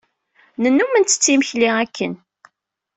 Nennum nttett imekli akken.